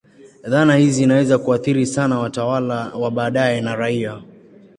Dhana hizi zinaweza kuathiri sana watawala wa baadaye na raia.